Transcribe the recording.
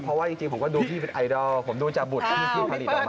เพราะว่าจริงผมก็ดูพี่เป็นไอดอลผมดูจากบุตรที่พี่ผลิตออกมา